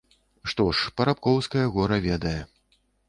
Што ж, парабкоўскае гора ведае.